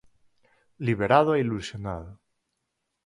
Liberado e ilusionado.